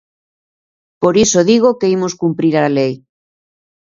Por iso digo que imos cumprir a lei.